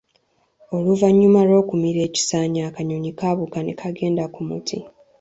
Oluvannyuma lw’okumira ekisaanyi, akanyonyi kaabuuka ne kagenda ku muti.